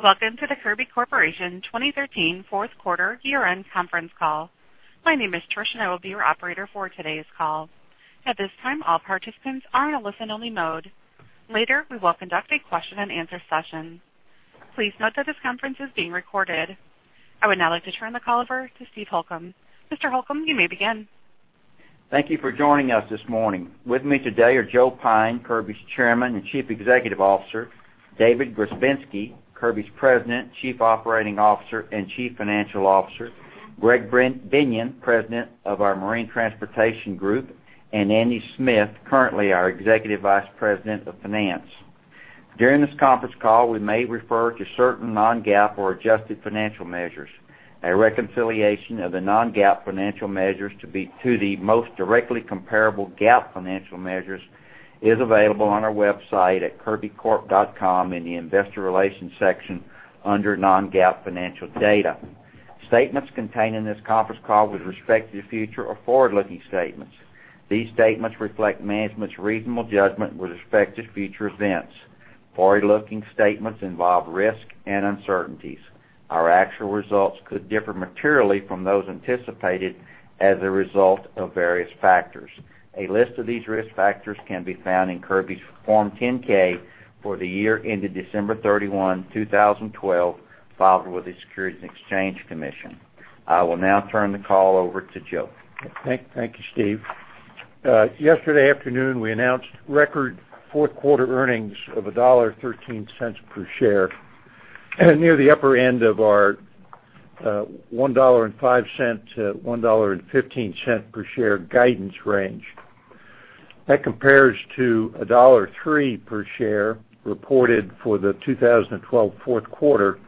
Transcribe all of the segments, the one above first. Welcome to the Kirby Corporation 2013 fourth quarter year-end conference call. My name is Trish, and I will be your operator for today's call. At this time, all participants are in a listen-only mode. Later, we will conduct a question-and-answer session. Please note that this conference is being recorded. I would now like to turn the call over to Steve Holcomb. Mr. Holcomb, you may begin. Thank you for joining us this morning. With me today are Joe Pyne, Kirby's Chairman and Chief Executive Officer, David Grzebinski, Kirby's President, Chief Operating Officer, and Chief Financial Officer, Greg Binion, President of our Marine Transportation Group, and Andy Smith, currently our Executive Vice President of Finance. During this conference call, we may refer to certain non-GAAP or adjusted financial measures. A reconciliation of the non-GAAP financial measures to the most directly comparable GAAP financial measures is available on our website at kirbycorp.com in the Investor Relations section under Non-GAAP Financial Data. Statements contained in this conference call with respect to the future are forward-looking statements. These statements reflect management's reasonable judgment with respect to future events. Forward-looking statements involve risk and uncertainties. Our actual results could differ materially from those anticipated as a result of various factors. A list of these risk factors can be found in Kirby's Form 10-K for the year ended December 31, 2012, filed with the Securities and Exchange Commission. I will now turn the call over to Joe. Thank you, Steve. Yesterday afternoon, we announced record fourth-quarter earnings of $1.13 per share, near the upper end of our $1.05-$1.15 per share guidance range. That compares to $1.03 per share reported for the 2012 fourth quarter,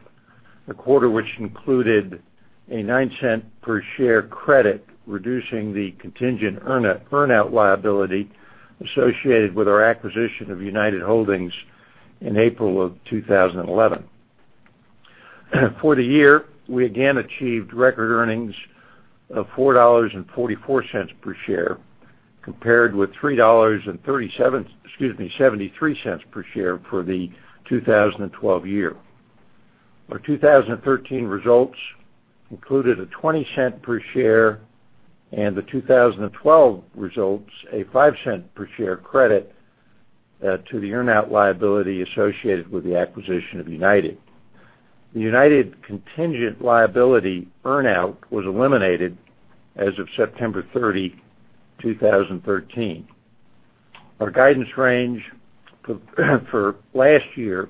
a quarter which included a $0.09 per share credit, reducing the contingent earn-out liability associated with our acquisition of United Holdings in April 2011. For the year, we again achieved record earnings of $4.44 per share, compared with $3 and, excuse me, 73 cents per share for the 2012 year. Our 2013 results included a $0.20 per share, and the 2012 results, a $0.05 per share credit to the earn-out liability associated with the acquisition of United. The United contingent liability earn-out was eliminated as of September 30, 2013. Our guidance range for last year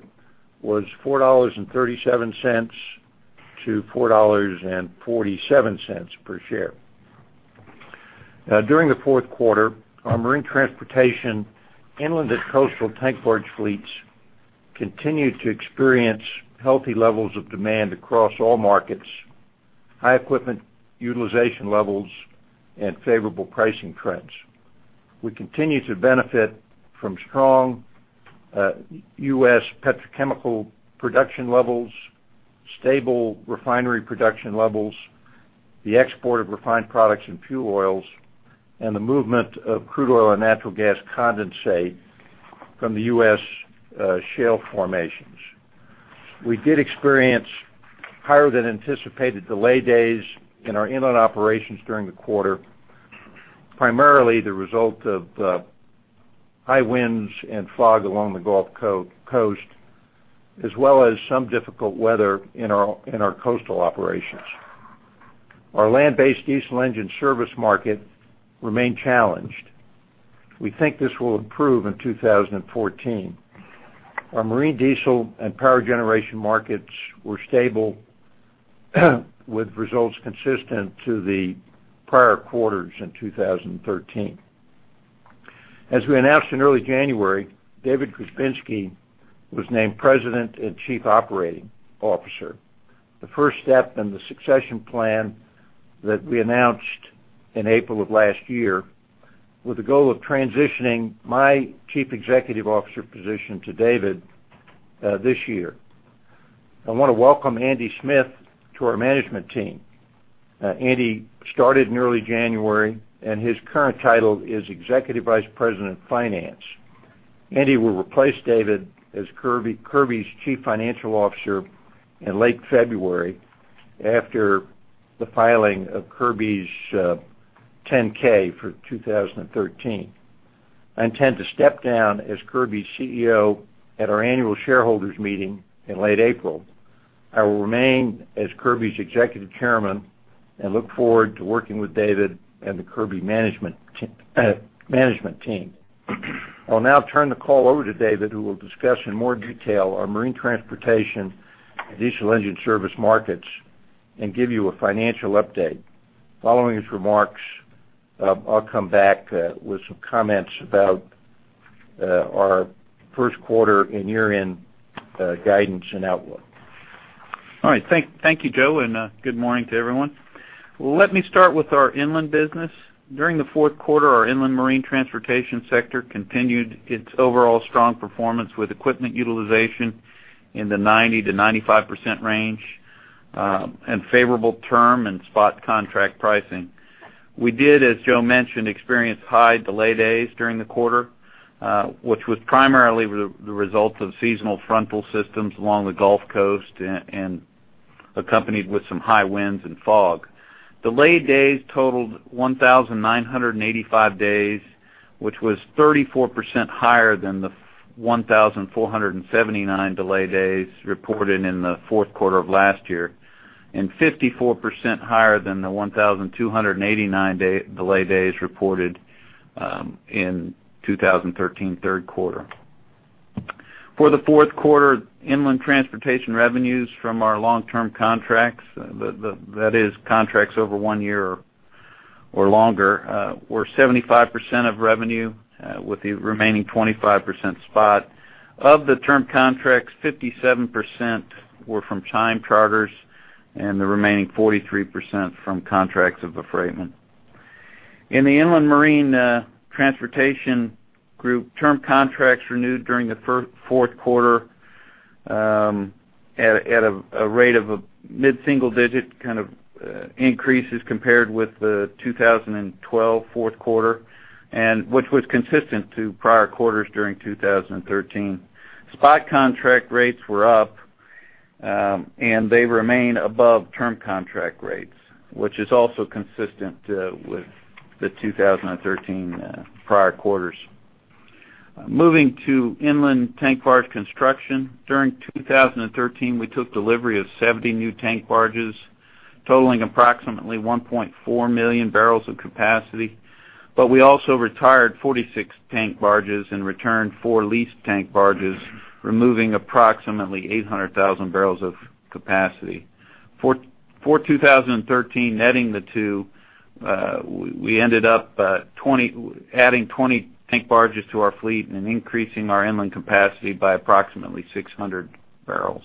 was $4.37-$4.47 per share. During the fourth quarter, our marine transportation, inland and coastal tank barge fleets continued to experience healthy levels of demand across all markets, high equipment utilization levels, and favorable pricing trends. We continue to benefit from strong U.S. petrochemical production levels, stable refinery production levels, the export of refined products and fuel oils, and the movement of crude oil and natural gas condensate from the U.S. shale formations. We did experience higher than anticipated delay days in our inland operations during the quarter, primarily the result of high winds and fog along the Gulf Coast, as well as some difficult weather in our coastal operations. Our land-based diesel engine service market remained challenged. We think this will improve in 2014. Our marine, diesel, and power generation markets were stable, with results consistent to the prior quarters in 2013. As we announced in early January, David Grzebinski was named President and Chief Operating Officer, the first step in the succession plan that we announced in April of last year, with the goal of transitioning my Chief Executive Officer position to David this year. I want to welcome Andy Smith to our management team. Andy started in early January, and his current title is Executive Vice President of Finance. Andy will replace David as Kirby's Chief Financial Officer in late February after the filing of Kirby's 10-K for 2013. I intend to step down as Kirby's CEO at our annual shareholders meeting in late April. I will remain as Kirby's Executive Chairman and look forward to working with David and the Kirby management team. I'll now turn the call over to David, who will discuss in more detail our marine transportation and diesel engine service markets and give you a financial update. Following his remarks, I'll come back with some comments about our first quarter and year-end guidance and outlook. All right. Thank you, Joe, and good morning to everyone. Let me start with our inland business. During the fourth quarter, our inland marine transportation sector continued its overall strong performance with equipment utilization in the 90%-95% range and favorable term and spot contract pricing. We did, as Joe mentioned, experience high delay days during the quarter, which was primarily the result of seasonal frontal systems along the Gulf Coast and accompanied with some high winds and fog. Delay days totaled 1,985 days, which was 34% higher than the 1,479 delay days reported in the fourth quarter of last year, and 54% higher than the 1,289 delay days reported in 2013 third quarter. For the fourth quarter, inland transportation revenues from our long-term contracts, contracts over one year or longer, were 75% of revenue, with the remaining 25% spot. Of the term contracts, 57% were from time charters, and the remaining 43% from contracts of affreightment. In the inland marine transportation group, term contracts renewed during the fourth quarter, at a rate of a mid-single digit kind of increases compared with the 2012 fourth quarter, and which was consistent to prior quarters during 2013. Spot contract rates were up, and they remain above term contract rates, which is also consistent with the 2013 prior quarters. Moving to inland tank barge construction. During 2013, we took delivery of 70 new tank barges, totaling approximately 1.4 million barrels of capacity, but we also retired 46 tank barges and returned 4 leased tank barges, removing approximately 800,000 barrels of capacity. For 2013, netting the two, we ended up adding 20 tank barges to our fleet and increasing our inland capacity by approximately 600,000 barrels.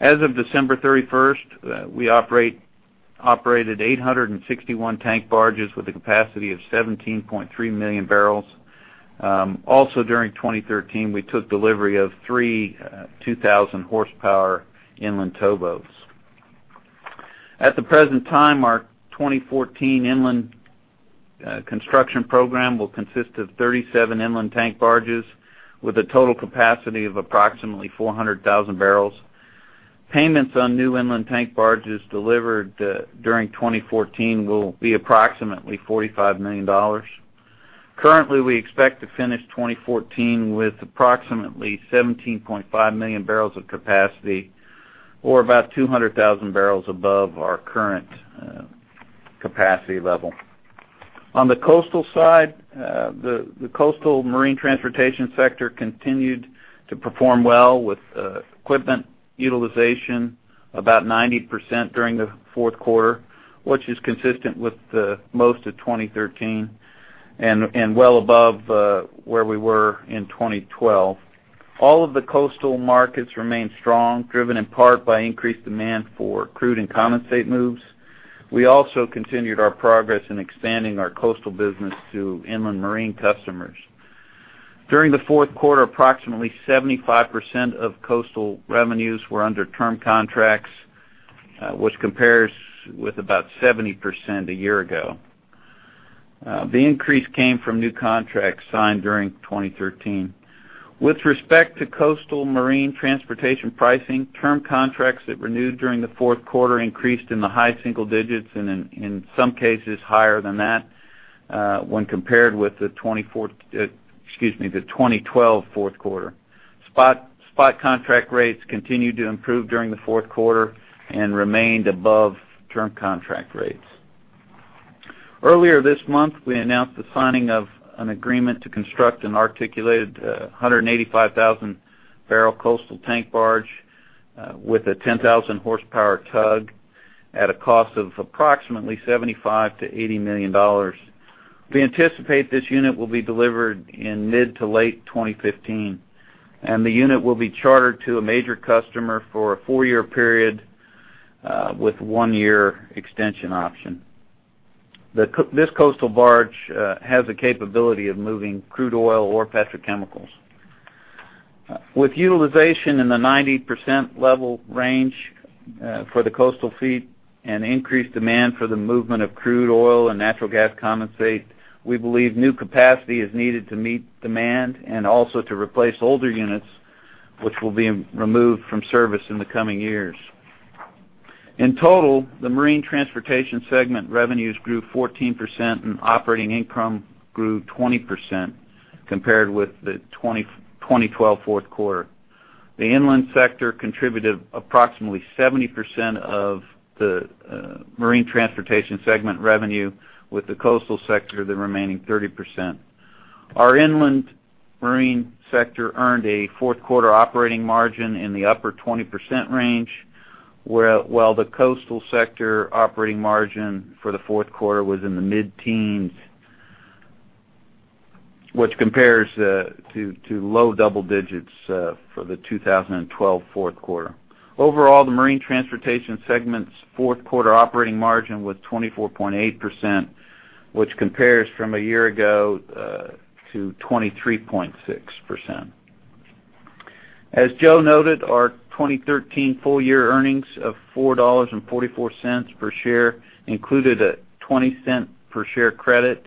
As of December 31, we operated 861 tank barges with a capacity of 17.3 million barrels. Also during 2013, we took delivery of three 2,000-horsepower inland towboats. At the present time, our 2014 inland construction program will consist of 37 inland tank barges with a total capacity of approximately 400,000 barrels. Payments on new inland tank barges delivered during 2014 will be approximately $45 million. Currently, we expect to finish 2014 with approximately 17.5 million barrels of capacity, or about 200,000 barrels above our current capacity level. On the coastal side, the coastal marine transportation sector continued to perform well with equipment utilization about 90% during the fourth quarter, which is consistent with the most of 2013 and well above where we were in 2012. All of the coastal markets remain strong, driven in part by increased demand for crude and condensate moves. We also continued our progress in expanding our coastal business to inland marine customers. During the fourth quarter, approximately 75% of coastal revenues were under term contracts, which compares with about 70% a year ago. The increase came from new contracts signed during 2013. With respect to coastal marine transportation pricing, term contracts that renewed during the fourth quarter increased in the high single digits, and in some cases, higher than that, when compared with the 2012 fourth quarter. Spot contract rates continued to improve during the fourth quarter and remained above term contract rates. Earlier this month, we announced the signing of an agreement to construct an articulated 185,000-barrel coastal tank barge with a 10,000-horsepower tug at a cost of approximately $75 million-$80 million. We anticipate this unit will be delivered in mid- to late-2015, and the unit will be chartered to a major customer for a 4-year period with 1-year extension option. This coastal barge has the capability of moving crude oil or petrochemicals. With utilization in the 90% level range, for the coastal fleet and increased demand for the movement of crude oil and natural gas condensate, we believe new capacity is needed to meet demand and also to replace older units, which will be removed from service in the coming years. In total, the marine transportation segment revenues grew 14%, and operating income grew 20% compared with the 2012 fourth quarter. The inland sector contributed approximately 70% of the marine transportation segment revenue, with the coastal sector the remaining 30%. Our inland marine sector earned a fourth quarter operating margin in the upper 20% range, while the coastal sector operating margin for the fourth quarter was in the mid-teens, which compares to low double digits for the 2012 fourth quarter. Overall, the marine transportation segment's fourth quarter operating margin was 24.8%, which compares from a year ago to 23.6%. As Joe noted, our 2013 full year earnings of $4.44 per share included a $0.20 per share credit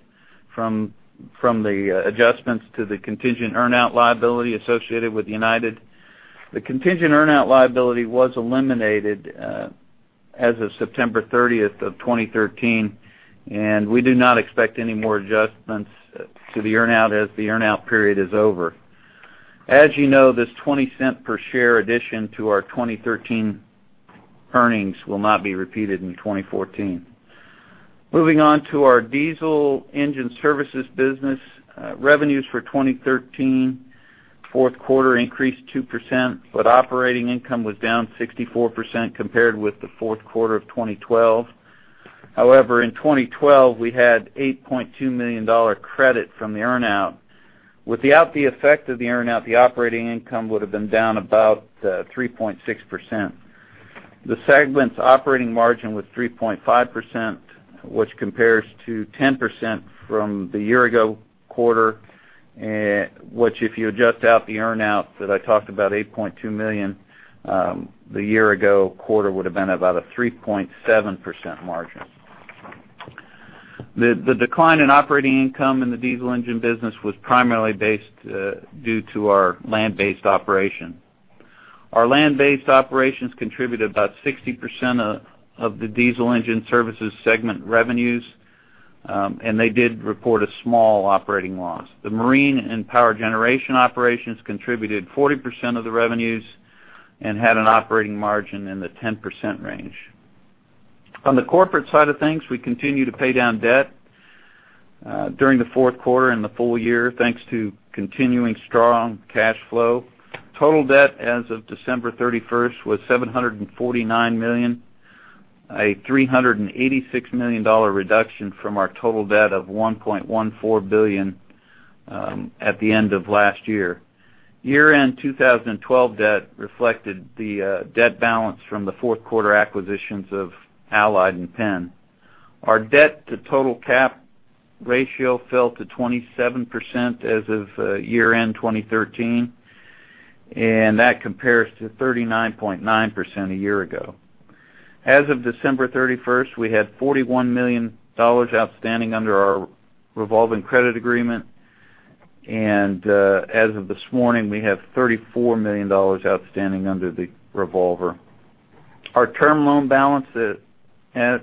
from the adjustments to the contingent earn-out liability associated with United. The contingent earn-out liability was eliminated as of September thirtieth of 2013, and we do not expect any more adjustments to the earn-out as the earn-out period is over. As you know, this 20 cent per share addition to our 2013 earnings will not be repeated in 2014. Moving on to our diesel engine services business. Revenues for 2013 fourth quarter increased 2%, but operating income was down 64% compared with the fourth quarter of 2012. However, in 2012, we had $8.2 million credit from the earn-out. Without the effect of the earn-out, the operating income would have been down about 3.6%. The segment's operating margin was 3.5%, which compares to 10% from the year ago quarter, which, if you adjust out the earn-out that I talked about, $8.2 million, the year-ago quarter would have been about a 3.7% margin. The decline in operating income in the diesel engine business was primarily based due to our land-based operation. Our land-based operations contribute about 60% of the diesel engine services segment revenues, and they did report a small operating loss. The marine and power generation operations contributed 40% of the revenues and had an operating margin in the 10% range. On the corporate side of things, we continue to pay down debt during the fourth quarter and the full year, thanks to continuing strong cash flow. Total debt as of December 31 was $749 million, a $386 million reduction from our total debt of $1.14 billion at the end of last year. Year-end 2012 debt reflected the debt balance from the fourth quarter acquisitions of Allied and Penn. Our debt to total cap ratio fell to 27% as of year-end 2013, and that compares to 39.9% a year ago. As of December 31, we had $41 million outstanding under our revolving credit agreement, and as of this morning, we have $34 million outstanding under the revolver. Our term loan balance at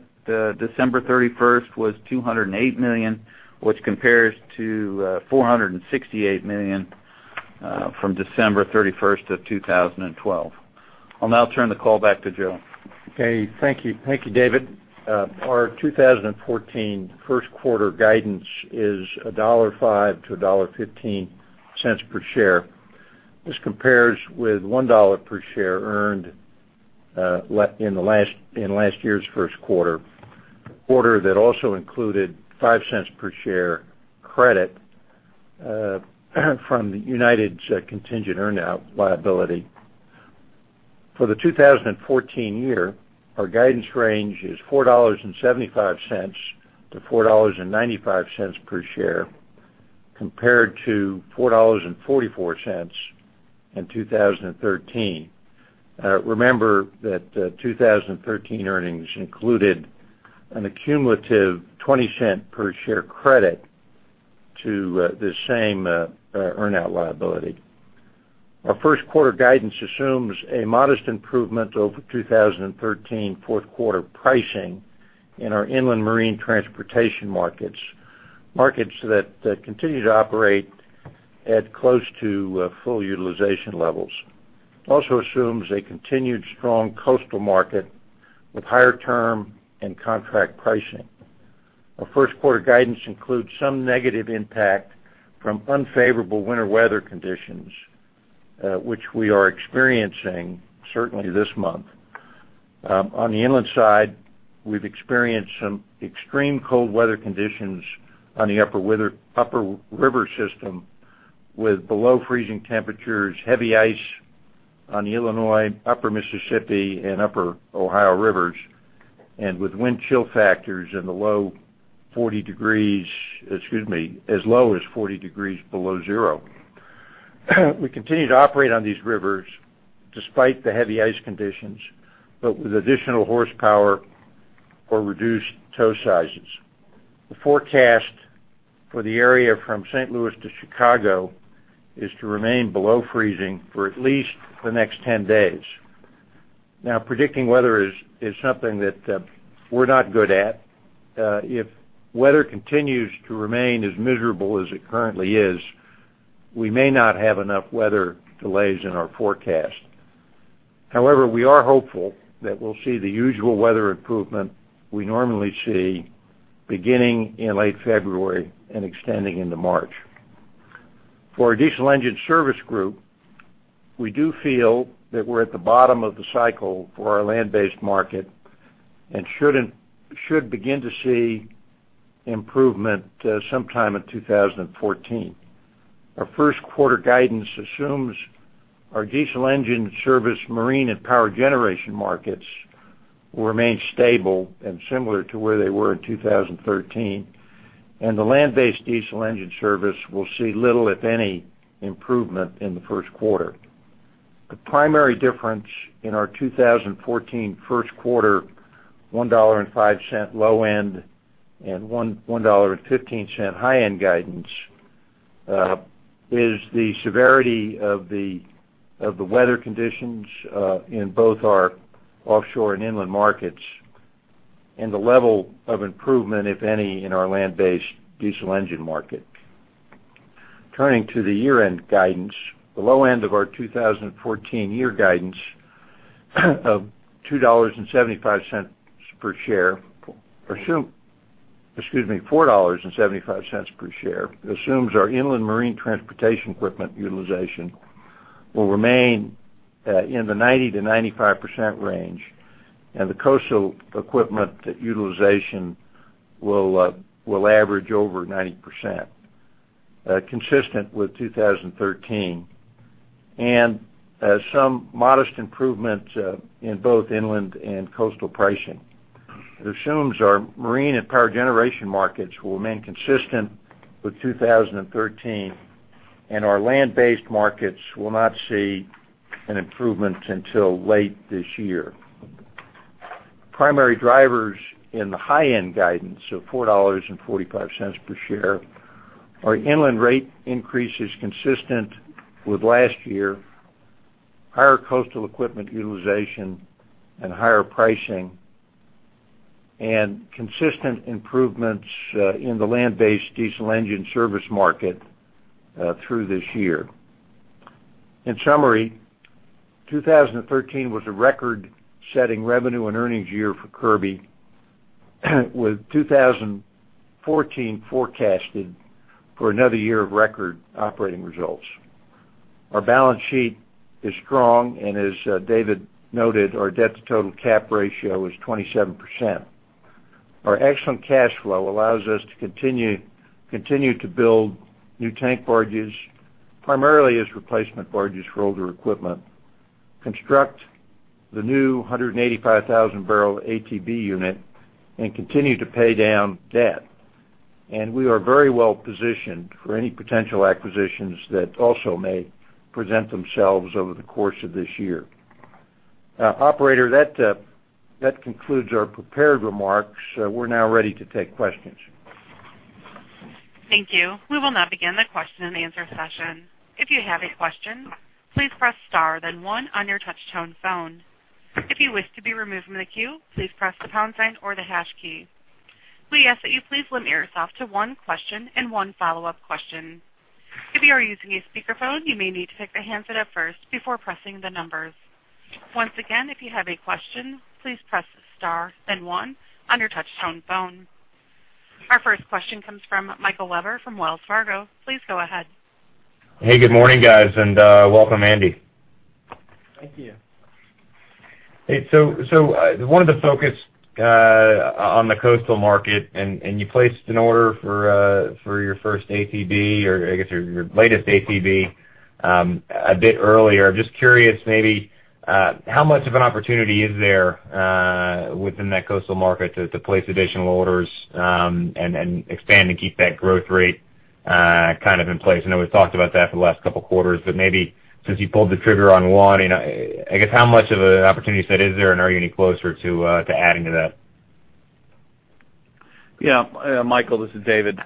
December 31 was $208 million, which compares to $468 million from December 31 of 2012. I'll now turn the call back to Joe. Okay. Thank you. Thank you, David. Our 2014 first quarter guidance is $1.05-$1.15 per share. This compares with $1 per share earned in last year's first quarter. A quarter that also included $0.05 per share credit from United's contingent earn-out liability. For the 2014 year, our guidance range is $4.75-$4.95 per share, compared to $4.44 in 2013. Remember that, 2013 earnings included an accumulative $0.20 per share credit to the same earn-out liability. Our first quarter guidance assumes a modest improvement over 2013 fourth quarter pricing in our inland marine transportation markets, markets that continue to operate at close to full utilization levels. It also assumes a continued strong coastal market with higher term and contract pricing. Our first quarter guidance includes some negative impact from unfavorable winter weather conditions, which we are experiencing certainly this month. On the inland side, we've experienced some extreme cold weather conditions on the upper river system, with below freezing temperatures, heavy ice on the Illinois, Upper Mississippi, and Upper Ohio Rivers, and with wind chill factors in the low 40 degrees. Excuse me, as low as 40 degrees below zero. We continue to operate on these rivers despite the heavy ice conditions, but with additional horsepower or reduced tow sizes. The forecast for the area from St. Louis to Chicago is to remain below freezing for at least the next 10 days. Now, predicting weather is something that we're not good at. If weather continues to remain as miserable as it currently is, we may not have enough weather delays in our forecast. However, we are hopeful that we'll see the usual weather improvement we normally see beginning in late February and extending into March. For our diesel engine service group, we do feel that we're at the bottom of the cycle for our land-based market and should begin to see improvement sometime in 2014. Our first quarter guidance assumes our diesel engine service, marine and power generation markets will remain stable and similar to where they were in 2013, and the land-based diesel engine service will see little, if any, improvement in the first quarter. The primary difference in our 2014 first quarter, $1.05 low end and $1.15 high end guidance, is the severity of the weather conditions in both our offshore and inland markets and the level of improvement, if any, in our land-based diesel engine market. Turning to the year-end guidance, the low end of our 2014 year guidance, of $4.75 per share assume-- excuse me, $4.75 per share, assumes our inland marine transportation equipment utilization will remain in the 90%-95% range, and the coastal equipment utilization will average over 90%, consistent with 2013, and some modest improvements in both inland and coastal pricing. It assumes our marine and power generation markets will remain consistent with 2013, and our land-based markets will not see an improvement until late this year. Primary drivers in the high-end guidance of $4.45 per share, our inland rate increase is consistent with last year, higher coastal equipment utilization and higher pricing, and consistent improvements in the land-based diesel engine service market through this year. In summary, 2013 was a record-setting revenue and earnings year for Kirby, with 2014 forecasted for another year of record operating results. Our balance sheet is strong, and as David noted, our debt-to-total cap ratio is 27%. Our excellent cash flow allows us to continue, continue to build new tank barges, primarily as replacement barges for older equipment, construct the new 185,000-barrel ATB unit, and continue to pay down debt. And we are very well positioned for any potential acquisitions that also may present themselves over the course of this year. Operator, that, that concludes our prepared remarks. We're now ready to take questions. Thank you. We will now begin the question-and-answer session. If you have a question, please press star, then one on your touchtone phone. If you wish to be removed from the queue, please press the pound sign or the hash key. We ask that you please limit yourself to one question and one follow-up question. If you are using a speakerphone, you may need to pick the handset up first before pressing the numbers. Once again, if you have a question, please press star, then one on your touchtone phone. Our first question comes from Michael Webber, from Wells Fargo. Please go ahead. Hey, good morning, guys, and welcome, Andy. Thank you. Hey, wanted to focus on the coastal market, and you placed an order for your first ATB, or I guess, your latest ATB, a bit earlier. Just curious, maybe, how much of an opportunity is there within that coastal market to place additional orders, and expand and keep that growth rate kind of in place? I know we've talked about that for the last couple quarters, but maybe since you pulled the trigger on one, you know, I guess, how much of an opportunity set is there, and are you any closer to adding to that? Yeah, Michael, this is David.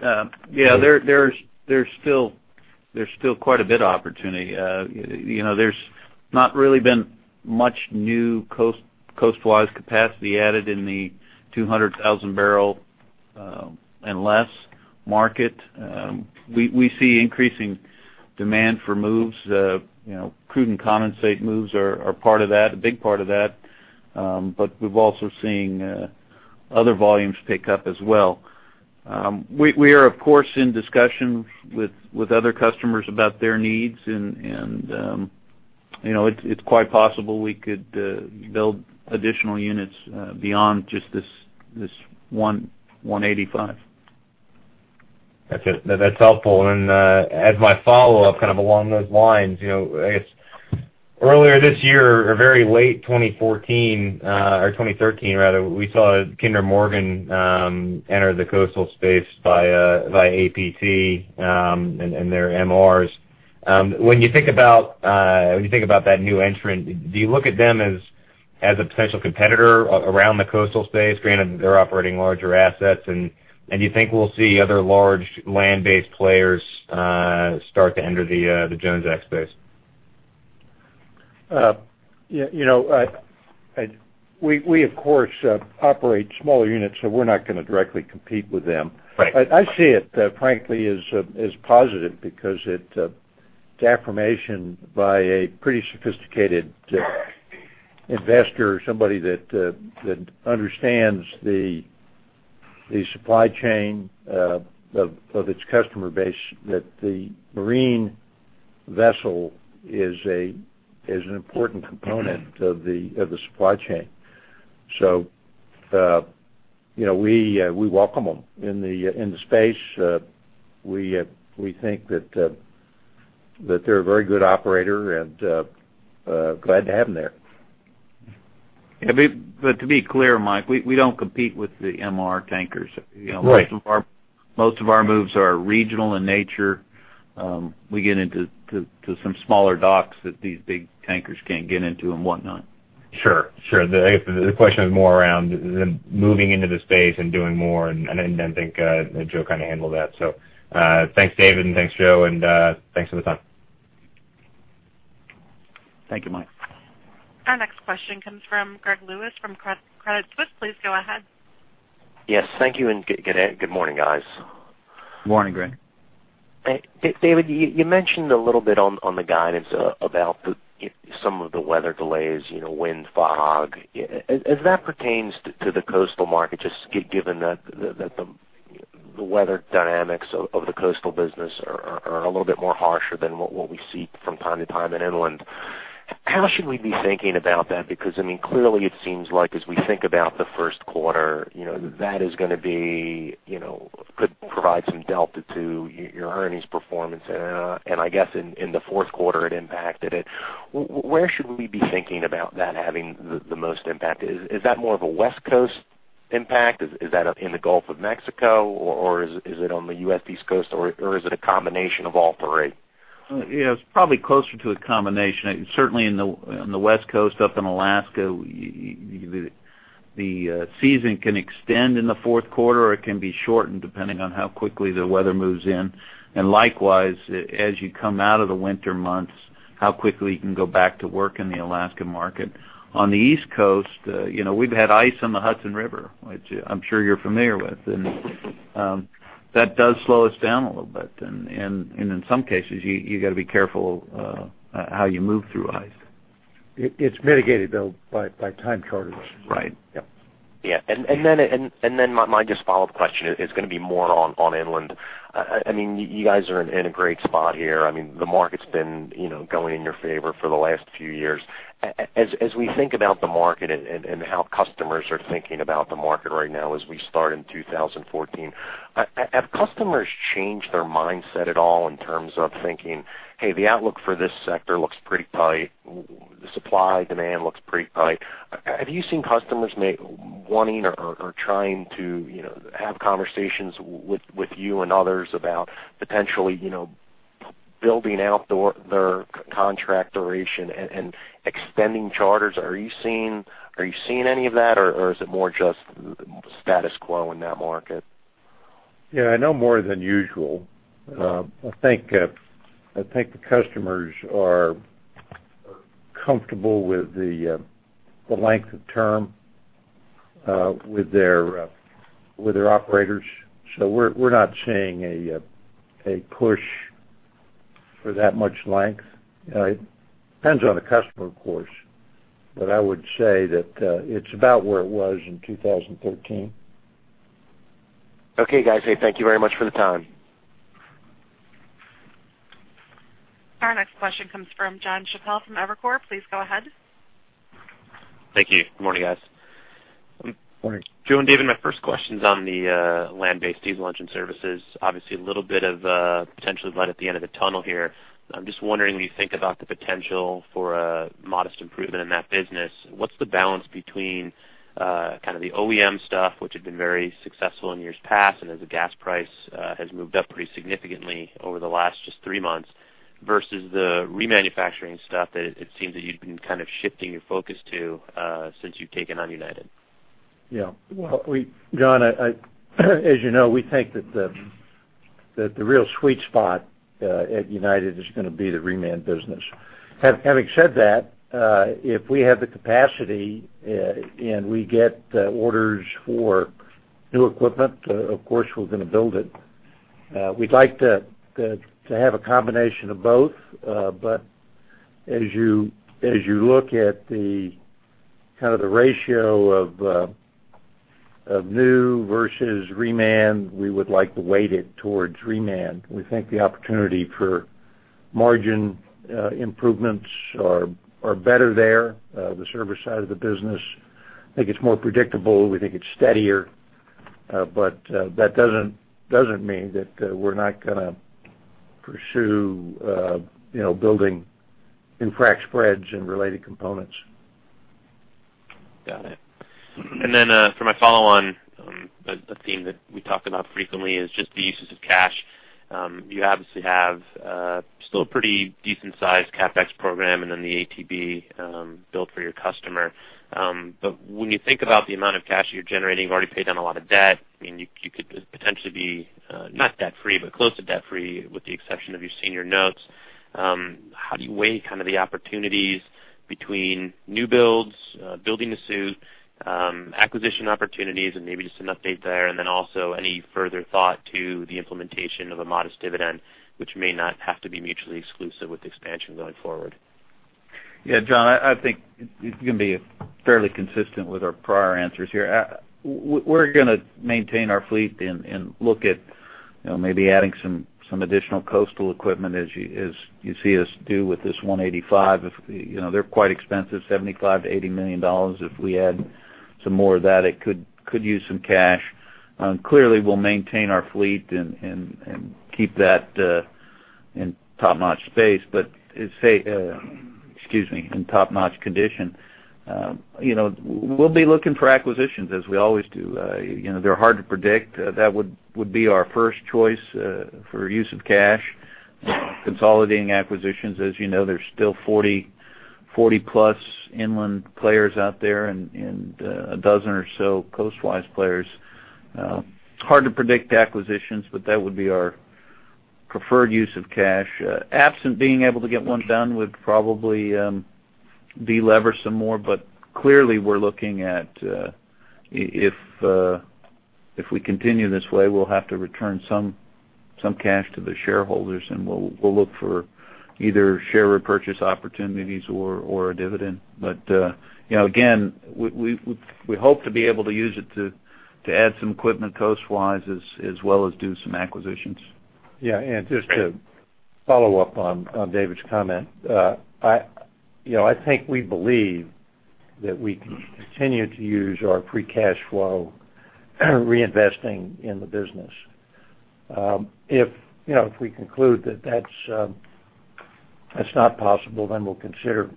Yeah, there's still quite a bit of opportunity. You know, there's not really been much new coastalwise capacity added in the 200,000-barrel and less market. We see increasing demand for moves. You know, crude and condensate moves are part of that, a big part of that, but we've also seen other volumes pick up as well. We are, of course, in discussion with other customers about their needs, and, you know, it's quite possible we could build additional units beyond just this one 185. That's it. That's helpful. As my follow-up, kind of along those lines, you know, I guess earlier this year, or very late 2014, or 2013 rather, we saw Kinder Morgan enter the coastal space via APT, and their MRs. When you think about that new entrant, do you look at them as a potential competitor around the coastal space? Granted, they're operating larger assets. And you think we'll see other large land-based players start to enter the Jones Act space? Yeah, you know, we of course operate smaller units, so we're not gonna directly compete with them. Right. I see it frankly as positive because the affirmation by a pretty sophisticated investor or somebody that understands the supply chain of its customer base that the marine vessel is an important component of the supply chain. So, you know, we welcome them. In the space, we think that they're a very good operator, and glad to have them there. Yeah, but to be clear, Mike, we don't compete with the MR tankers. Right. Most of our moves are regional in nature. We get into some smaller docks that these big tankers can't get into and whatnot. Sure, sure. The question is more around them moving into the space and doing more, and I think Joe kind of handled that. So, thanks, David, and thanks, Joe, and thanks for the time. Thank you, Mike. Our next question comes from Greg Lewis, from Credit Suisse. Please go ahead. Yes, thank you, and good, good morning, guys. Morning, Greg. David, you mentioned a little bit on the guidance about some of the weather delays, you know, wind, fog. As that pertains to the coastal market, just given that the weather dynamics of the coastal business are a little bit more harsher than what we see from time to time in inland. How should we be thinking about that? Because, I mean, clearly it seems like as we think about the first quarter, you know, that is going to be, you know, could provide some delta to your earnings performance. And I guess in the fourth quarter, it impacted it. Where should we be thinking about that having the most impact? Is that more of a West Coast impact? Is that in the Gulf of Mexico, or is it on the U.S. East Coast, or is it a combination of all three? Yeah, it's probably closer to a combination. Certainly, on the West Coast, up in Alaska, the season can extend in the fourth quarter, or it can be shortened, depending on how quickly the weather moves in. And likewise, as you come out of the winter months, how quickly you can go back to work in the Alaska market. On the East Coast, you know, we've had ice on the Hudson River, which I'm sure you're familiar with. And that does slow us down a little bit. And in some cases, you got to be careful how you move through ice. It's mitigated, though, by time charters. Right. Yep. Yeah. And then my just follow-up question is going to be more on inland. I mean, you guys are in a great spot here. I mean, the market's been, you know, going in your favor for the last few years. As we think about the market and how customers are thinking about the market right now as we start in 2014, have customers changed their mindset at all in terms of thinking, hey, the outlook for this sector looks pretty tight, the supply-demand looks pretty tight. Have you seen customers maybe wanting or trying to, you know, have conversations with you and others about potentially, you know, building out their contract duration and extending charters? Are you seeing, are you seeing any of that, or, or is it more just status quo in that market? Yeah, I know more than usual. I think the customers are comfortable with the length of term with their operators. So we're not seeing a push for that much length. It depends on the customer, of course, but I would say that it's about where it was in 2013. Okay, guys. Hey, thank you very much for the time. Our next question comes from John Chappell from Evercore. Please go ahead. Thank you. Good morning, guys. Morning. Joe and David, my first question is on the land-based diesel engine services. Obviously, a little bit of potentially light at the end of the tunnel here. I'm just wondering, when you think about the potential for a modest improvement in that business, what's the balance between kind of the OEM stuff, which had been very successful in years past, and as the gas price has moved up pretty significantly over the last just three months, versus the remanufacturing stuff that it seems that you've been kind of shifting your focus to since you've taken on United? Yeah. Well, John, as you know, we think that the real sweet spot at United is going to be the reman business. Having said that, if we have the capacity and we get orders for new equipment, of course, we're going to build it. We'd like to have a combination of both, but as you look at the kind of the ratio of new versus reman, we would like to weight it towards reman. We think the opportunity for margin improvements are better there. The service side of the business, I think it's more predictable. We think it's steadier, but that doesn't mean that we're not going to pursue, you know, building new frac spreads and related components. Got it. And then, for my follow-on, a theme that we talk about frequently is just the uses of cash. You obviously have, still a pretty decent-sized CapEx program and then the ATB, built for your customer. But when you think about the amount of cash you're generating, you've already paid down a lot of debt. I mean, you, you could potentially be, not debt-free, but close to debt-free, with the exception of your senior notes. How do you weigh kind of the opportunities between new builds, building the fleet, acquisition opportunities, and maybe just an update there, and then also any further thought to the implementation of a modest dividend, which may not have to be mutually exclusive with expansion going forward?... Yeah, John, I think it's gonna be fairly consistent with our prior answers here. We're gonna maintain our fleet and look at, you know, maybe adding some additional coastal equipment as you see us do with this 185. You know, they're quite expensive, $75 million-$80 million. If we add some more of that, it could use some cash. Clearly, we'll maintain our fleet and keep that in top-notch space. But, excuse me, in top-notch condition. You know, we'll be looking for acquisitions as we always do. You know, they're hard to predict. That would be our first choice for use of cash, consolidating acquisitions. As you know, there's still 40, 40-plus inland players out there and a dozen or so coastwise players. It's hard to predict acquisitions, but that would be our preferred use of cash. Absent being able to get one done, would probably delever some more, but clearly, we're looking at if we continue this way, we'll have to return some cash to the shareholders, and we'll look for either share repurchase opportunities or a dividend. But you know, again, we hope to be able to use it to add some equipment coastwise, as well as do some acquisitions. Yeah, and just to follow up on David's comment, you know, I think we believe that we can continue to use our free cash flow, reinvesting in the business. You know, if we conclude that that's not possible, then we'll consider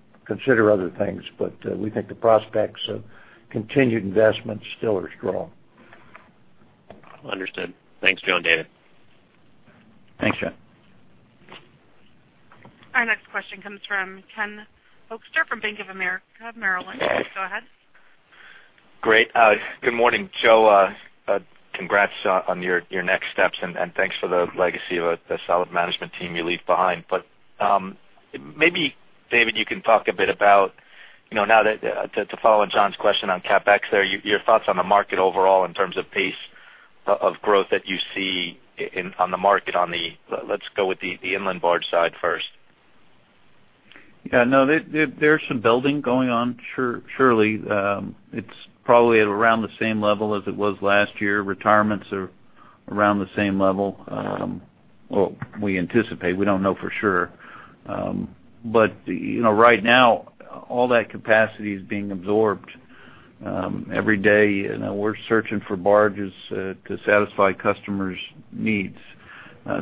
other things, but we think the prospects of continued investment still are strong. Understood. Thanks, Joe and David. Thanks, John. Our next question comes from Ken Hoexter from Bank of America Merrill Lynch. Please go ahead. Great. Good morning, Joe. Congrats on your next steps, and thanks for the legacy of a solid management team you leave behind. But maybe, David, you can talk a bit about, you know, now that to follow on John's question on CapEx there, your thoughts on the market overall in terms of pace of growth that you see in, on the market, on the... Let's go with the inland barge side first. Yeah, no, there, there's some building going on, surely. It's probably at around the same level as it was last year. Retirements are around the same level, well, we anticipate, we don't know for sure. But, you know, right now, all that capacity is being absorbed. Every day, you know, we're searching for barges to satisfy customers' needs.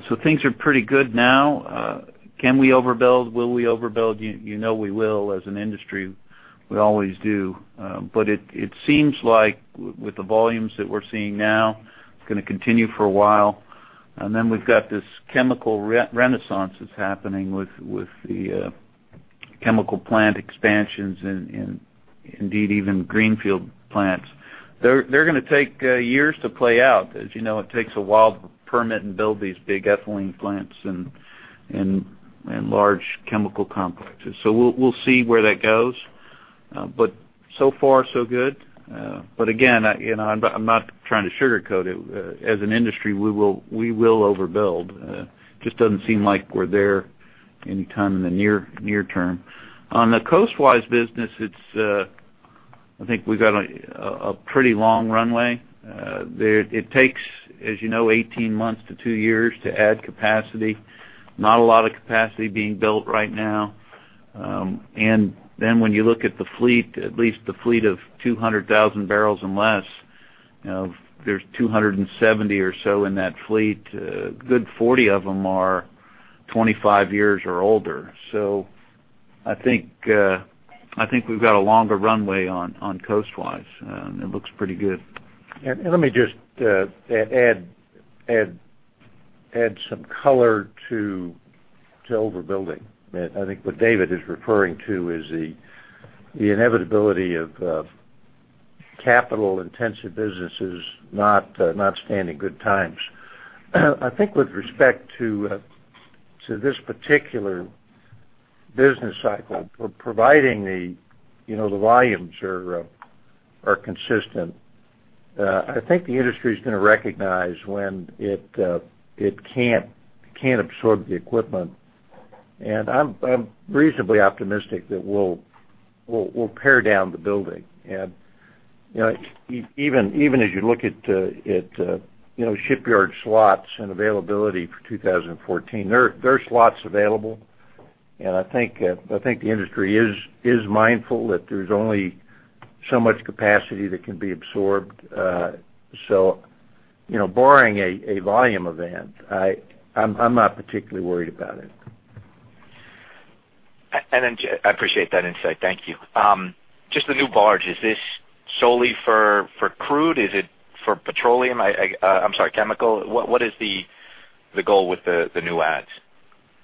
So things are pretty good now. Can we overbuild? Will we overbuild? You know, we will, as an industry, we always do. But it seems like with the volumes that we're seeing now, it's gonna continue for a while. And then we've got this chemical renaissance that's happening with the chemical plant expansions and indeed, even greenfield plants. They're gonna take years to play out. As you know, it takes a while to permit and build these big ethylene plants and large chemical complexes. So we'll see where that goes. But so far, so good. But again, you know, I'm not trying to sugarcoat it. As an industry, we will overbuild. Just doesn't seem like we're there anytime in the near term. On the coastwise business, it's I think we've got a pretty long runway. There it takes, as you know, 18 months to two years to add capacity. Not a lot of capacity being built right now. and then when you look at the fleet, at least the fleet of 200,000 barrels and less, you know, there's 270 or so in that fleet, a good 40 of them are 25 years or older. So I think, I think we've got a longer runway on, on coastwise, and it looks pretty good. Let me just add some color to overbuilding. I think what David is referring to is the inevitability of capital-intensive businesses not standing good times. I think with respect to this particular business cycle, for providing the, you know, the volumes are consistent, I think the industry is gonna recognize when it can't absorb the equipment. I'm reasonably optimistic that we'll pare down the building. You know, even as you look at shipyard slots and availability for 2014, there are slots available. I think the industry is mindful that there's only so much capacity that can be absorbed. So, you know, barring a volume event, I'm not particularly worried about it. And then, I appreciate that insight. Thank you. Just the new barge, is this solely for crude? Is it for petroleum? I'm sorry, chemical. What is the goal with the new adds? Uh, the-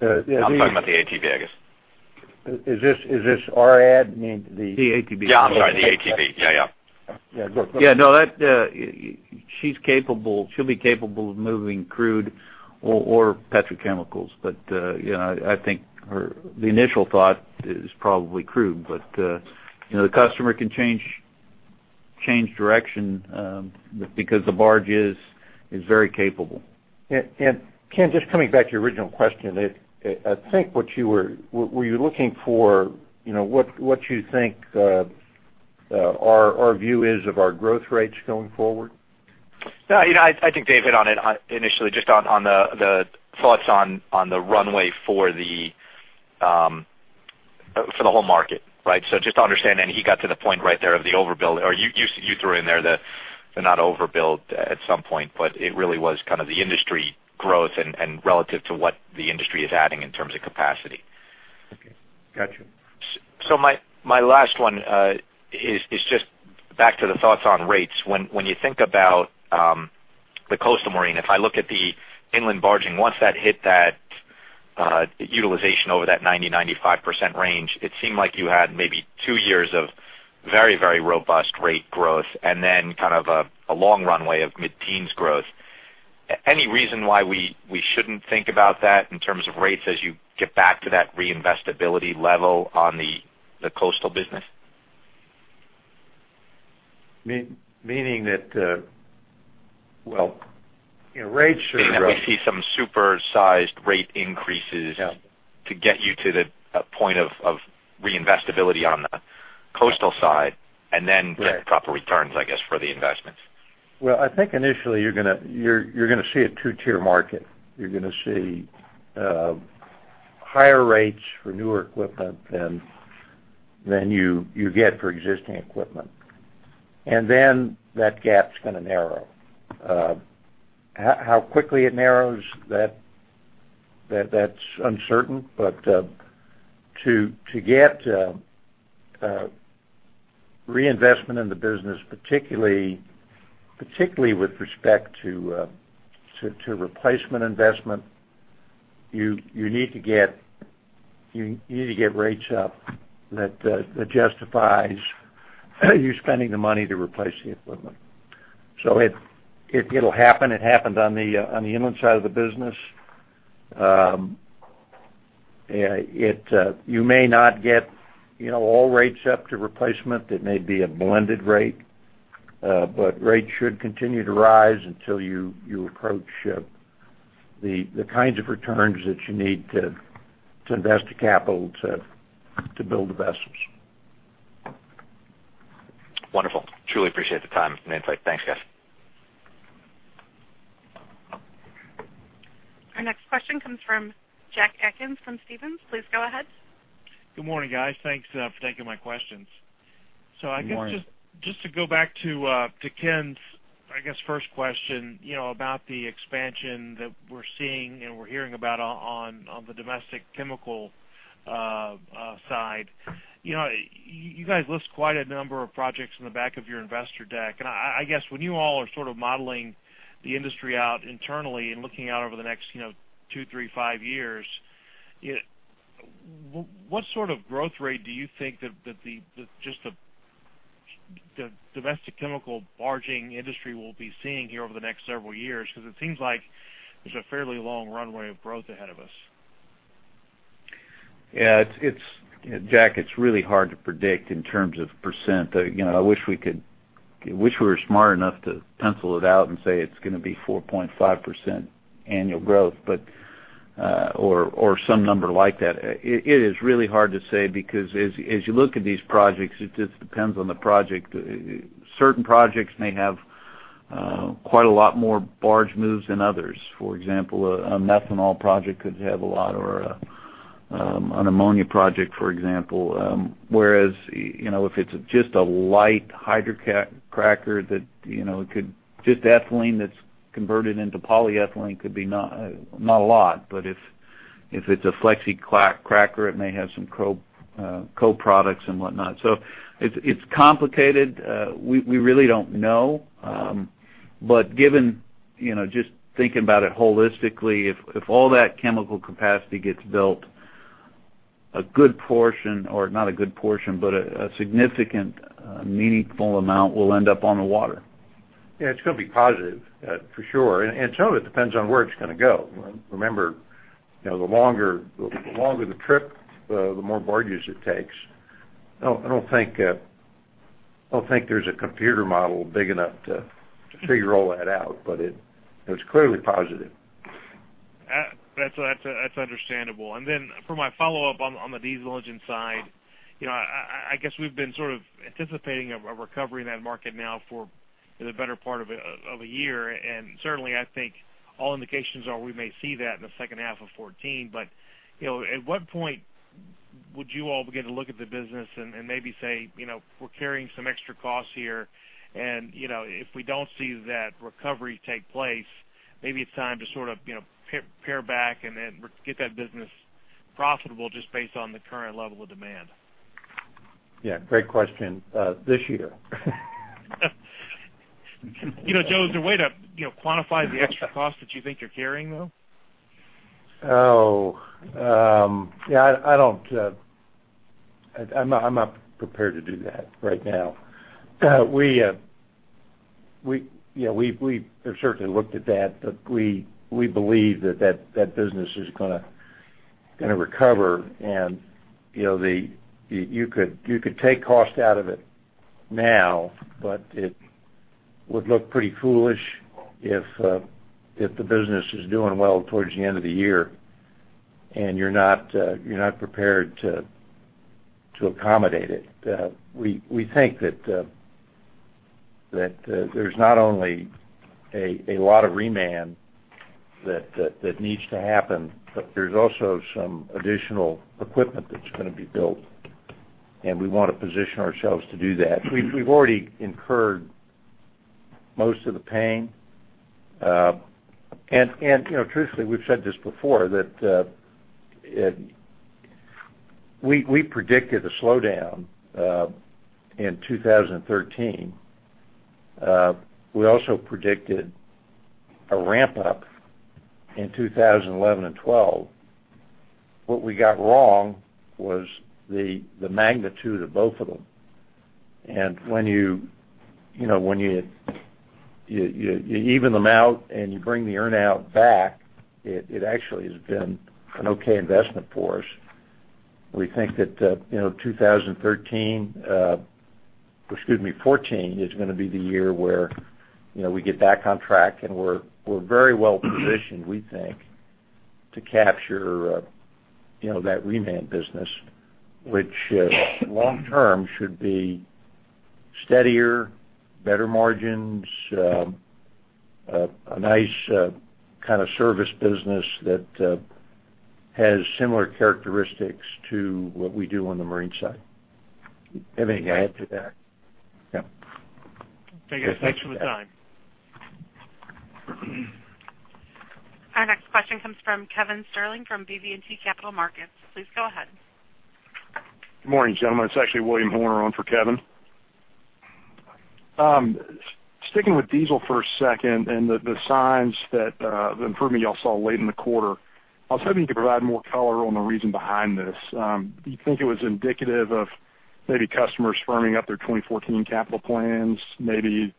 I'm talking about the ATB, I guess. Is this our add, meaning the- The ATB. Yeah, I'm sorry, the ATB. Yeah, yeah. Yeah, go. Yeah, no, that, she's capable—she'll be capable of moving crude or, or petrochemicals. But, you know, I think her, the initial thought is probably crude, but, you know, the customer can change-... change direction, because the barge is very capable. And Ken, just coming back to your original question, if I think what you were looking for, you know, what you think our view is of our growth rates going forward? No, you know, I think Dave hit on it initially, just on the thoughts on the runway for the whole market, right? So just to understand, and he got to the point right there of the overbuild, or you threw in there the not overbuild at some point, but it really was kind of the industry growth and relative to what the industry is adding in terms of capacity. Okay. Got you. So my last one is just back to the thoughts on rates. When you think about the coastal marine, if I look at the inland barging, once that hit that utilization over that 90%-95% range, it seemed like you had maybe two years of very, very robust rate growth, and then kind of a long runway of mid-teens growth. Any reason why we shouldn't think about that in terms of rates as you get back to that reinvestibility level on the coastal business? meaning that, well, you know, rates should- Meaning that we see some super-sized rate increases- Yeah -to get you to the point of reinvestibility on the coastal side, and then- Right get proper returns, I guess, for the investments. Well, I think initially, you're gonna see a two-tier market. You're gonna see higher rates for newer equipment than you get for existing equipment. And then that gap's gonna narrow. How quickly it narrows, that's uncertain. But to get reinvestment in the business, particularly with respect to replacement investment, you need to get rates up that justifies you spending the money to replace the equipment. So it'll happen. It happened on the inland side of the business. You may not get, you know, all rates up to replacement. It may be a blended rate, but rates should continue to rise until you approach the kinds of returns that you need to invest the capital to build the vessels. Wonderful. Truly appreciate the time and insight. Thanks, guys. Our next question comes from Jack Atkins from Stephens. Please go ahead. Good morning, guys. Thanks, for taking my questions. Good morning. So I guess just to go back to Ken's, I guess, first question, you know, about the expansion that we're seeing and we're hearing about on the domestic chemical side. You know, you guys list quite a number of projects in the back of your investor deck, and I guess when you all are sort of modeling the industry out internally and looking out over the next, you know, two, three, five years, what sort of growth rate do you think that the domestic chemical barging industry will be seeing here over the next several years? Because it seems like there's a fairly long runway of growth ahead of us. Yeah, it's Jack, it's really hard to predict in terms of percent. You know, I wish we were smart enough to pencil it out and say it's gonna be 4.5% annual growth, but or some number like that. It is really hard to say because as you look at these projects, it just depends on the project. Certain projects may have quite a lot more barge moves than others. For example, a methanol project could have a lot or an ammonia project, for example. Whereas, you know, if it's just a light hydrocracker that, you know, it could just ethylene that's converted into polyethylene, could be not a lot, but if it's a Flexicracker, it may have some co-products and whatnot. So it's complicated. We really don't know. But given, you know, just thinking about it holistically, if all that chemical capacity gets built, a good portion, or not a good portion, but a significant meaningful amount will end up on the water. Yeah, it's gonna be positive, for sure. And some of it depends on where it's gonna go. Remember, you know, the longer, the longer the trip, the more barges it takes. I don't, I don't think, I don't think there's a computer model big enough to, to figure all that out, but it, it's clearly positive. That's, that's understandable. And then for my follow-up on the diesel engine side, you know, I guess we've been sort of anticipating a recovery in that market now for the better part of a year, and certainly, I think all indications are we may see that in the second half of 2014. But, you know, at what point would you all begin to look at the business and maybe say, "You know, we're carrying some extra costs here, and, you know, if we don't see that recovery take place, maybe it's time to sort of, you know, pare back and then get that business profitable just based on the current level of demand? Yeah, great question. This year. You know, Joe, is there a way to, you know, quantify the extra costs that you think you're carrying, though? Oh, yeah, I don't... I'm not prepared to do that right now. We, yeah, we've certainly looked at that, but we believe that business is gonna recover. And, you know, you could take cost out of it now, but it would look pretty foolish if the business is doing well towards the end of the year and you're not prepared to accommodate it. We think that there's not only a lot of demand that needs to happen, but there's also some additional equipment that's gonna be built, and we wanna position ourselves to do that. We've already incurred most of the pain. You know, truthfully, we've said this before, that we predicted a slowdown in 2013. We also predicted a ramp up in 2011 and 2012. What we got wrong was the magnitude of both of them. And when you know, when you even them out and you bring the earn-out back, it actually has been an okay investment for us. We think that, you know, 2013, excuse me, 2014, is gonna be the year where, you know, we get back on track, and we're, we're very well positioned, we think, to capture, you know, that reman business, which, long term, should be steadier, better margins, a nice, kind of service business that, has similar characteristics to what we do on the marine side. Anything to add to that? Yeah. Okay, guys. Thanks for the time. Our next question comes from Kevin Sterling from BB&T Capital Markets. Please go ahead. Good morning, gentlemen. It's actually William Horner on for Kevin. Sticking with diesel for a second, and the signs that the improvement you all saw late in the quarter, I was hoping you could provide more color on the reason behind this. Do you think it was indicative of maybe customers firming up their 2014 capital plans, maybe,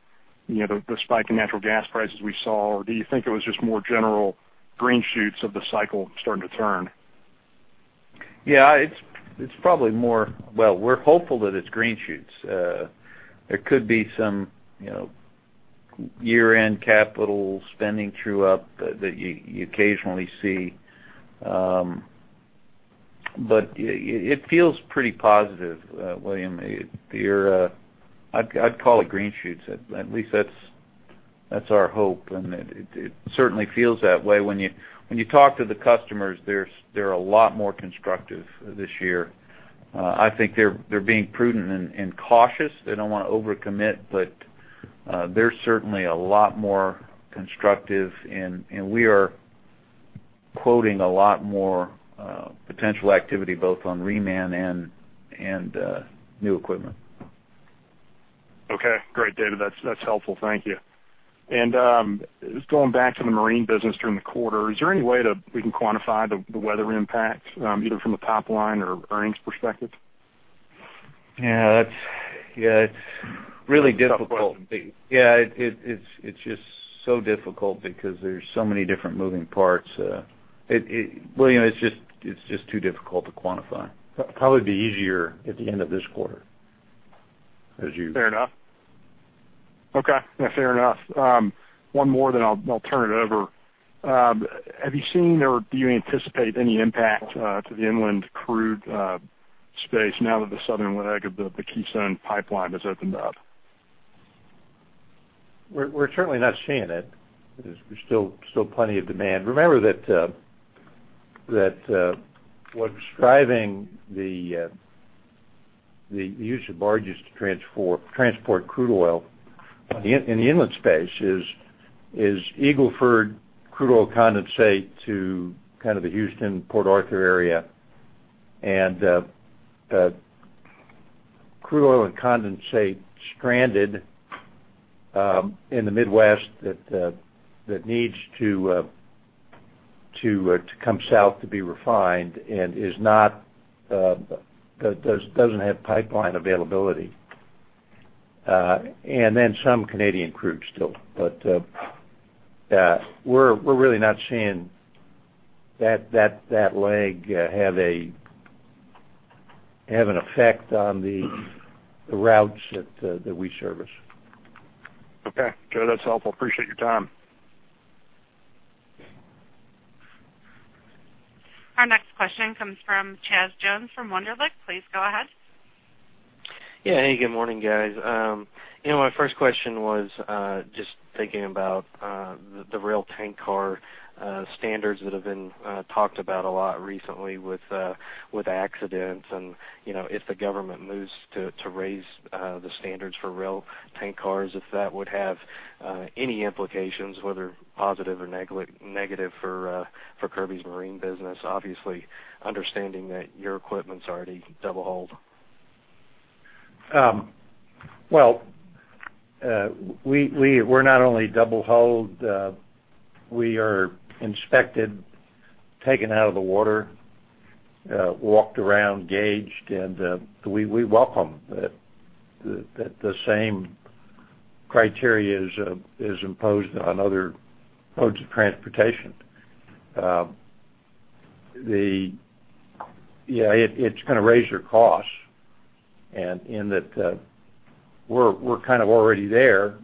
you know, the spike in natural gas prices we saw? Or do you think it was just more general green shoots of the cycle starting to turn? Yeah, it's probably more... Well, we're hopeful that it's green shoots. There could be some, you know, year-end capital spending true up that you occasionally see. But it feels pretty positive, William. I'd call it green shoots. At least that's our hope, and it certainly feels that way. When you talk to the customers, they're a lot more constructive this year. I think they're being prudent and cautious. They don't wanna overcommit, but they're certainly a lot more constructive and we are quoting a lot more potential activity, both on reman and new equipment. Okay, great, David. That's, that's helpful. Thank you. And, just going back to the marine business during the quarter, is there any way to-- we can quantify the, the weather impact, either from a top line or earnings perspective? Yeah, that's, yeah, it's really difficult. Tough question. Yeah, it's just so difficult because there's so many different moving parts. William, it's just too difficult to quantify. Probably be easier at the end of this quarter, as you- Fair enough. Okay, that's fair enough. One more, then I'll turn it over. Have you seen or do you anticipate any impact to the inland crude space now that the southern leg of the Keystone Pipeline has opened up? We're certainly not seeing it. There's still plenty of demand. Remember that what's driving the use of barges to transport crude oil in the inland space is Eagle Ford crude oil condensate to kind of the Houston, Port Arthur area, and crude oil and condensate stranded in the Midwest that needs to come south to be refined and doesn't have pipeline availability, and then some Canadian crude still. But we're really not seeing that leg have an effect on the routes that we service. Okay, Joe, that's helpful. Appreciate your time. Our next question comes from Chaz Jones from Wunderlich. Please go ahead. Yeah. Hey, good morning, guys. You know, my first question was just thinking about the rail tank car standards that have been talked about a lot recently with accidents and, you know, if the government moves to raise the standards for rail tank cars, if that would have any implications, whether positive or negative for Kirby's marine business. Obviously, understanding that your equipment's already double hulled. Well, we're not only double hulled, we are inspected, taken out of the water, walked around, gauged, and we welcome that the same criteria is imposed on other modes of transportation. Yeah, it's gonna raise your costs, and in that, we're kind of already there.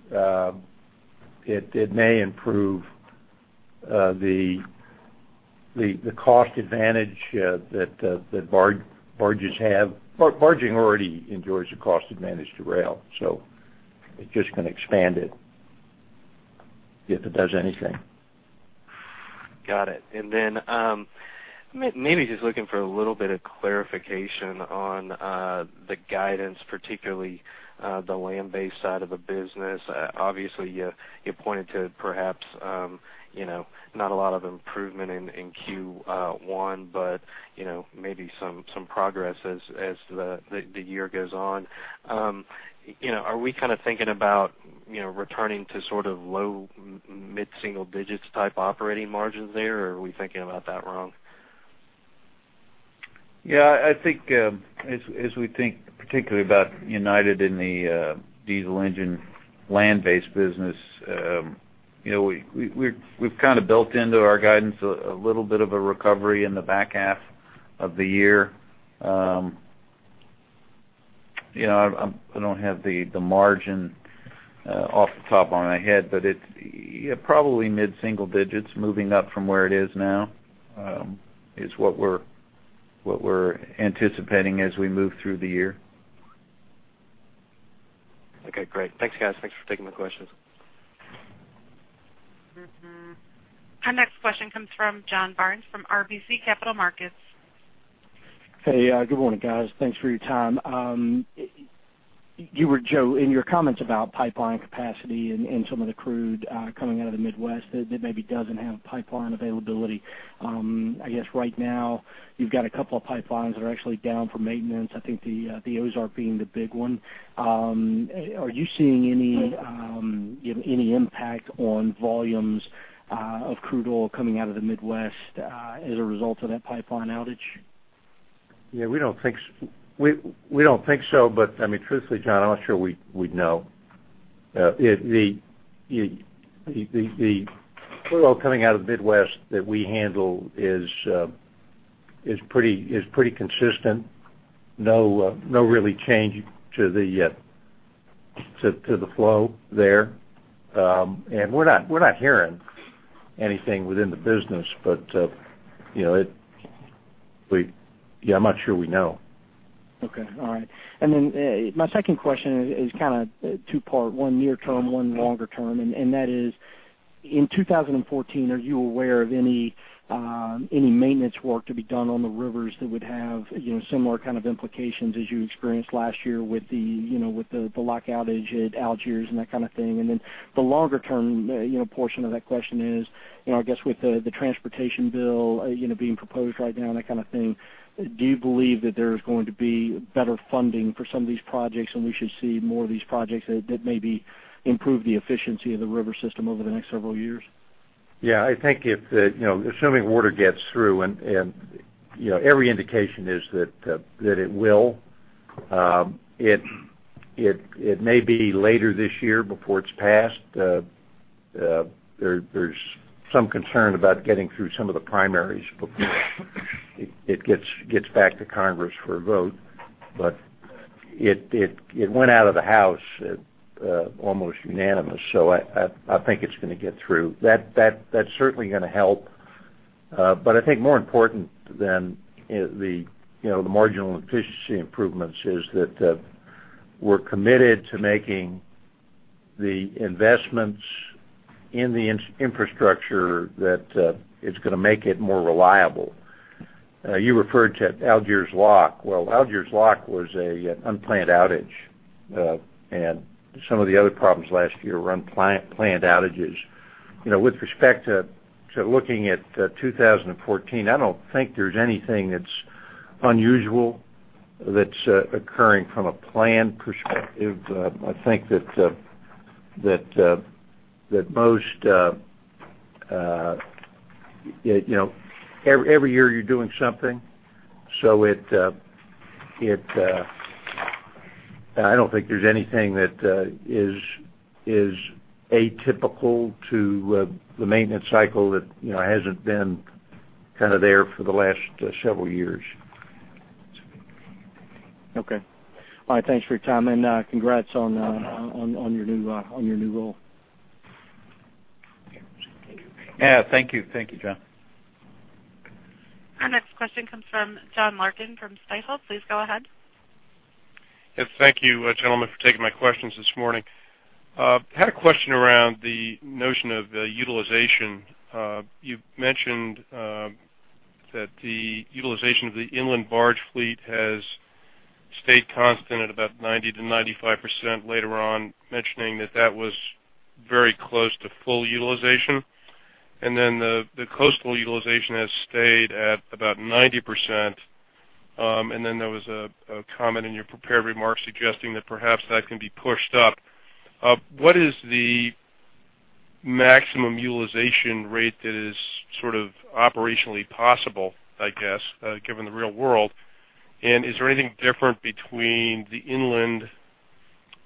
It may improve the cost advantage that barges have. Barging already enjoys a cost advantage to rail, so it's just gonna expand it, if it does anything. Got it. And then, maybe just looking for a little bit of clarification on the guidance, particularly the land-based side of the business. Obviously, you pointed to perhaps, you know, not a lot of improvement in Q1, but, you know, maybe some progress as the year goes on. You know, are we kind of thinking about returning to sort of low, mid-single digits type operating margins there, or are we thinking about that wrong? Yeah, I think, as we think particularly about United in the diesel engine land-based business, you know, we've kind of built into our guidance a little bit of a recovery in the back half of the year. You know, I don't have the margin off the top of my head, but it's, yeah, probably mid-single digits, moving up from where it is now, is what we're anticipating as we move through the year. Okay, great. Thanks, guys. Thanks for taking my questions. Our next question comes from John Barnes from RBC Capital Markets. Hey, good morning, guys. Thanks for your time. You were, Joe, in your comments about pipeline capacity and some of the crude coming out of the Midwest that maybe doesn't have pipeline availability. I guess right now, you've got a couple of pipelines that are actually down for maintenance. I think the Ozark being the big one. Are you seeing any, you know, any impact on volumes of crude oil coming out of the Midwest as a result of that pipeline outage? Yeah, we don't think so, but, I mean, truthfully, John, I'm not sure we'd know. The crude oil coming out of the Midwest that we handle is pretty consistent. No real change to the flow there. And we're not hearing anything within the business, but, you know, yeah, I'm not sure we know. Okay, all right. And then, my second question is, is kind of two-part, one near term, one longer term, and, and that is, in 2014, are you aware of any, any maintenance work to be done on the rivers that would have, you know, similar kind of implications as you experienced last year with the, you know, with the lock outage at Algiers and that kind of thing? And then, the longer term, you know, portion of that question is, you know, I guess with the, the transportation bill, you know, being proposed right now and that kind of thing, do you believe that there's going to be better funding for some of these projects, and we should see more of these projects that, that maybe improve the efficiency of the river system over the next several years? Yeah, I think if the, you know, assuming water gets through, and, and, you know, every indication is that that it will, it may be later this year before it's passed. There's some concern about getting through some of the primaries before it gets back to Congress for a vote. But it went out of the house at almost unanimous, so I think it's gonna get through. That, that's certainly gonna help. But I think more important than the, you know, the marginal efficiency improvements is that we're committed to making the investments in the infrastructure that is gonna make it more reliable. You referred to Algiers Lock. Well, Algiers Lock was a unplanned outage, and some of the other problems last year were unplanned outages. You know, with respect to looking at 2014, I don't think there's anything that's unusual that's occurring from a planned perspective. I think that that most you know... Every year, you're doing something, so it it I don't think there's anything that is atypical to the maintenance cycle that you know hasn't been kind of there for the last several years. Okay. All right, thanks for your time, and congrats on your new role. Yeah, thank you. Thank you, John. Our next question comes from John Larkin from Stifel. Please go ahead. Yes, thank you, gentlemen, for taking my questions this morning. Had a question around the notion of utilization. You've mentioned that the utilization of the inland barge fleet has stayed constant at about 90%-95% later on, mentioning that that was very close to full utilization. And then, the coastal utilization has stayed at about 90%. And then there was a comment in your prepared remarks suggesting that perhaps that can be pushed up. What is the maximum utilization rate that is sort of operationally possible, I guess, given the real world. And is there anything different between the inland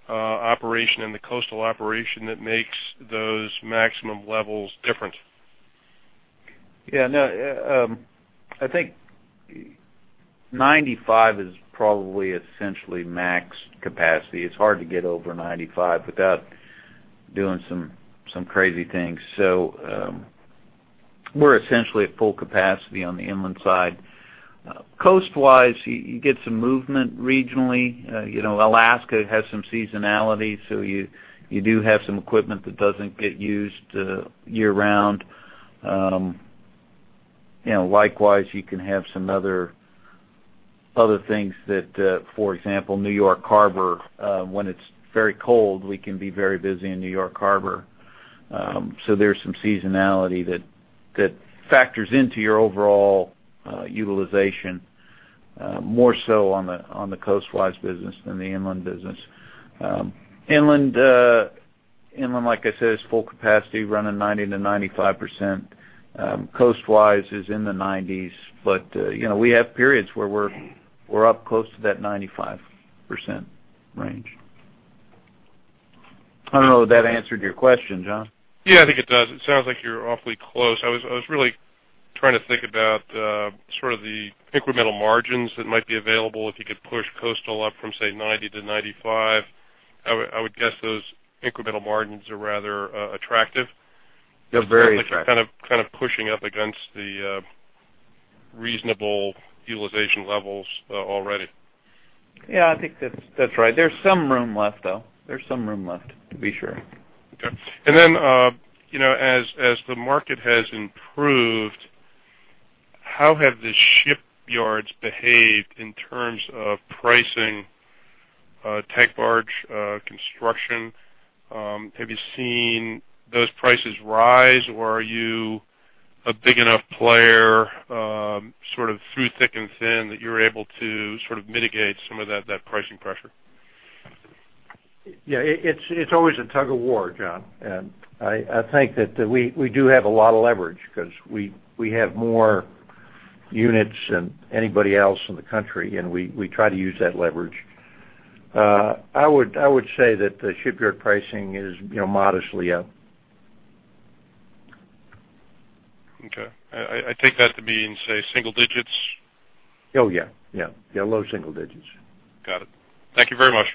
operation and the coastal operation that makes those maximum levels different? Yeah, no, I think 95 is probably essentially max capacity. It's hard to get over 95 without doing some crazy things. So, we're essentially at full capacity on the inland side. Coast-wise, you get some movement regionally. You know, Alaska has some seasonality, so you do have some equipment that doesn't get used year-round. You know, likewise, you can have some other things that, for example, New York Harbor, when it's very cold, we can be very busy in New York Harbor. So there's some seasonality that factors into your overall utilization, more so on the coast-wise business than the inland business. Inland, like I said, is full capacity, running 90%-95%. Coast-wise is in the 90s, but, you know, we have periods where we're up close to that 95% range. I don't know if that answered your question, John? Yeah, I think it does. It sounds like you're awfully close. I was really trying to think about sort of the incremental margins that might be available if you could push coastal up from, say, 90 to 95. I would guess those incremental margins are rather attractive. They're very attractive. Kind of pushing up against the reasonable utilization levels already. Yeah, I think that's, that's right. There's some room left, though. There's some room left, to be sure. Okay. And then, you know, as the market has improved, how have the shipyards behaved in terms of pricing, tank barge construction? Have you seen those prices rise, or are you a big enough player, sort of through thick and thin, that you're able to sort of mitigate some of that pricing pressure? Yeah, it's always a tug of war, John. And I think that we do have a lot of leverage because we have more units than anybody else in the country, and we try to use that leverage. I would say that the shipyard pricing is, you know, modestly up. Okay. I take that to mean, say, single digits? Oh, yeah, yeah. Yeah, low single digits. Got it. Thank you very much.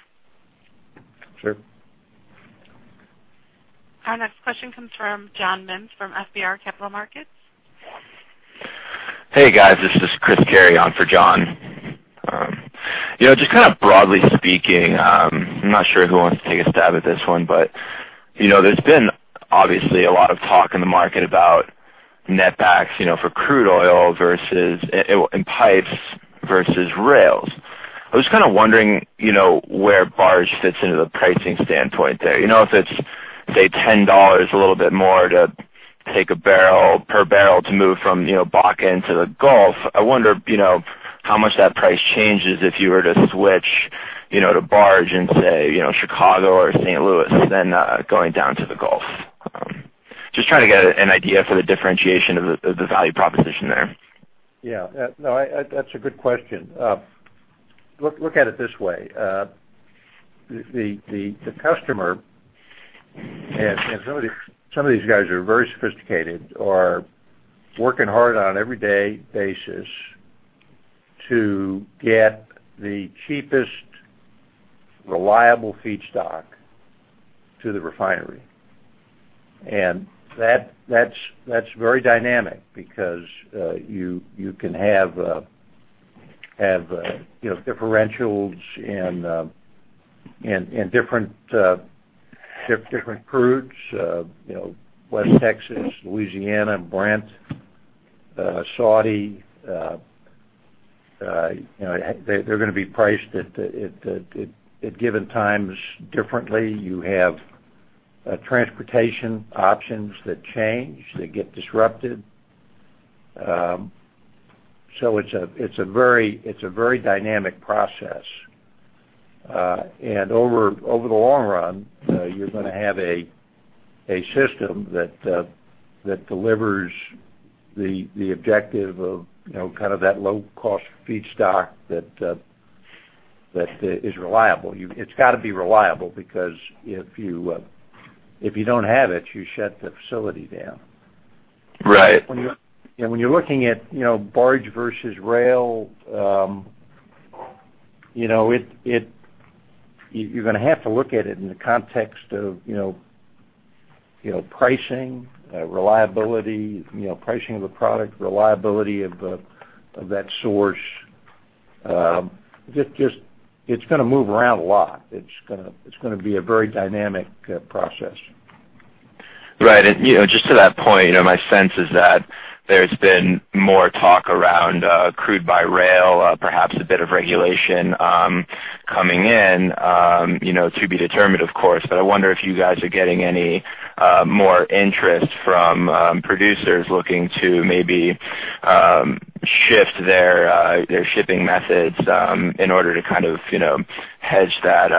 Sure. Our next question comes from John Mims from FBR Capital Markets. Hey, guys, this is Chris Carey on for John. You know, just kind of broadly speaking, I'm not sure who wants to take a stab at this one, but, you know, there's been obviously a lot of talk in the market about netbacks, you know, for crude oil versus in pipes versus rails. I was kind of wondering, you know, where barge fits into the pricing standpoint there. You know, if it's, say, $10, a little bit more to take a barrel per barrel to move from, you know, Bakken to the Gulf, I wonder, you know, how much that price changes if you were to switch, you know, to barge in, say, you know, Chicago or St. Louis, than going down to the Gulf? Just trying to get an idea for the differentiation of the, of the value proposition there. Yeah. No, that's a good question. Look, look at it this way. The customer, and some of these guys are very sophisticated, are working hard on an every day basis to get the cheapest, reliable feedstock to the refinery. And that's very dynamic because you can have, you know, differentials in different crudes, you know, West Texas, Louisiana, and Brent, Saudi, you know, they're gonna be priced at given times differently. You have transportation options that change, that get disrupted. So it's a very dynamic process. And over the long run, you're gonna have a system that delivers the objective of, you know, kind of that low-cost feedstock that is reliable. It's got to be reliable, because if you don't have it, you shut the facility down. Right. When you're looking at, you know, barge versus rail, you know, it. You're gonna have to look at it in the context of, you know, pricing, reliability, you know, pricing of the product, reliability of that source. Just, it's gonna move around a lot. It's gonna be a very dynamic process. Right. And, you know, just to that point, you know, my sense is that there's been more talk around crude by rail, perhaps a bit of regulation coming in, you know, to be determined, of course. But I wonder if you guys are getting any more interest from producers looking to maybe shift their shipping methods in order to kind of, you know, hedge that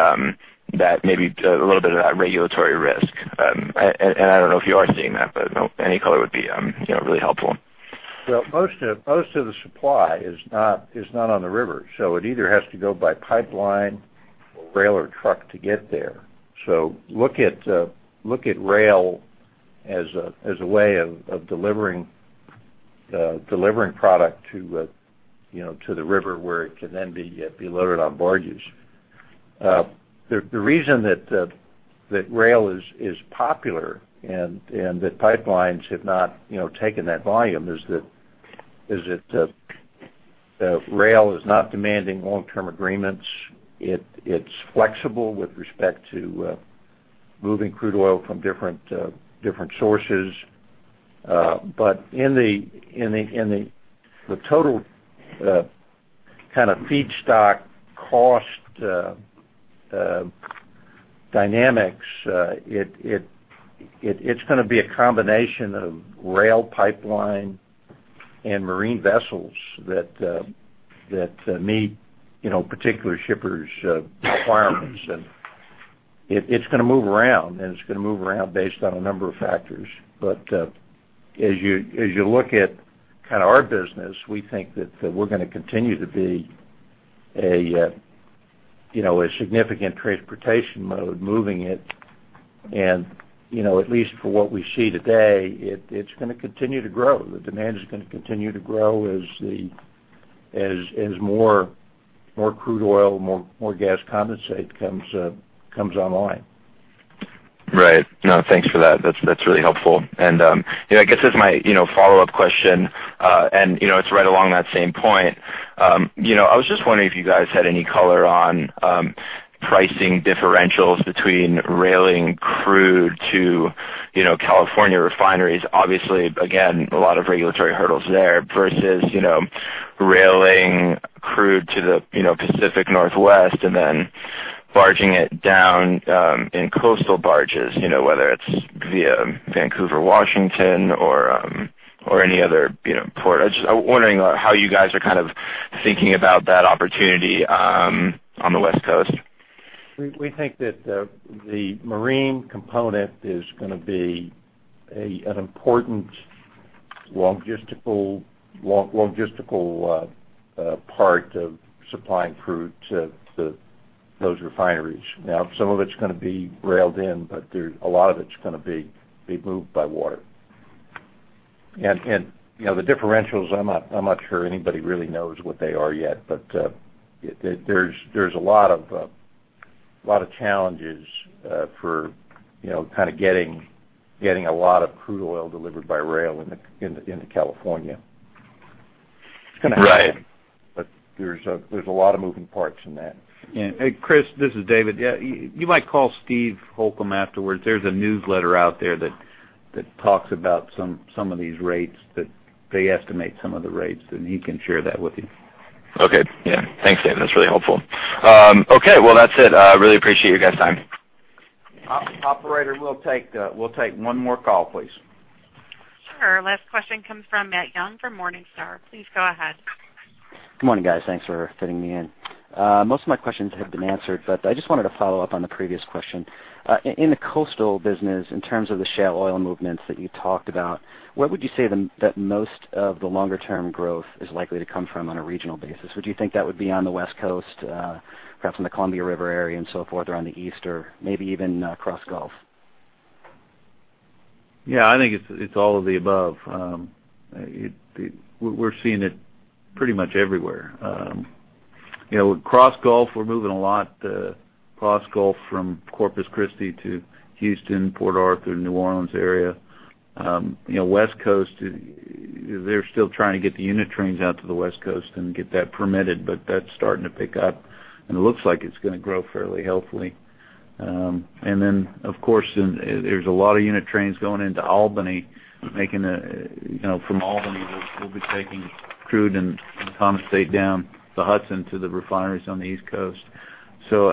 maybe a little bit of that regulatory risk. And I don't know if you are seeing that, but any color would be, you know, really helpful.... Well, most of the supply is not on the river, so it either has to go by pipeline or rail or truck to get there. So look at rail as a way of delivering product to, you know, to the river, where it can then be loaded on barges. The reason that rail is popular and that pipelines have not, you know, taken that volume, is that rail is not demanding long-term agreements. It's flexible with respect to moving crude oil from different sources. But in the total kind of feedstock cost dynamics, it's gonna be a combination of rail, pipeline, and marine vessels that meet, you know, particular shippers requirements. And it's gonna move around, and it's gonna move around based on a number of factors. But as you look at kind of our business, we think that we're gonna continue to be a, you know, a significant transportation mode, moving it. And, you know, at least for what we see today, it's gonna continue to grow. The demand is gonna continue to grow as more crude oil, more gas condensate comes online. Right. No, thanks for that. That's, that's really helpful. You know, I guess as my, you know, follow-up question, and, you know, it's right along that same point. You know, I was just wondering if you guys had any color on pricing differentials between railing crude to, you know, California refineries. Obviously, again, a lot of regulatory hurdles there, versus, you know, railing crude to the, you know, Pacific Northwest and then barging it down in coastal barges, you know, whether it's via Vancouver, Washington, or any other, you know, port. I'm wondering how you guys are kind of thinking about that opportunity on the West Coast. We think that the marine component is gonna be an important logistical part of supplying crude to those refineries. Now, some of it's gonna be railed in, but a lot of it's gonna be moved by water. And you know, the differentials, I'm not sure anybody really knows what they are yet, but there's a lot of challenges for you know, kind of getting a lot of crude oil delivered by rail into California. Right. It's gonna happen, but there's a lot of moving parts in that. Yeah. Hey, Chris, this is David. Yeah, you might call Steve Holcomb afterwards. There's a newsletter out there that talks about some of these rates that they estimate, and he can share that with you. Okay. Yeah. Thanks, David. That's really helpful. Okay, well, that's it. I really appreciate your guys' time. Operator, we'll take, we'll take one more call, please. Sure. Last question comes from Matt Young from Morningstar. Please go ahead. Good morning, guys. Thanks for fitting me in. Most of my questions have been answered, but I just wanted to follow up on the previous question. In the coastal business, in terms of the shale oil movements that you talked about, what would you say that most of the longer term growth is likely to come from on a regional basis? Would you think that would be on the West Coast, perhaps in the Columbia River area and so forth, or on the East, or maybe even cross-Gulf? Yeah, I think it's all of the above. We're seeing it pretty much everywhere. You know, with cross-Gulf, we're moving a lot cross-Gulf from Corpus Christi to Houston, Port Arthur, New Orleans area. You know, West Coast, they're still trying to get the unit trains out to the West Coast and get that permitted, but that's starting to pick up, and it looks like it's gonna grow fairly healthily. And then, of course, there's a lot of unit trains going into Albany. You know, from Albany, we'll be taking crude and condensate down the Hudson to the refineries on the East Coast. So,